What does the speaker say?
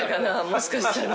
もしかしたら。